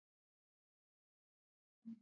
اوږده غرونه د افغانستان طبعي ثروت دی.